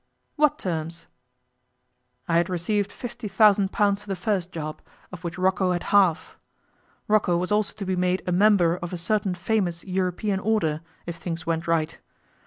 'What terms?' 'I had received fifty thousand pounds for the first job, of which Rocco had half. Rocco was also to be made a member of a certain famous European order, if things went right.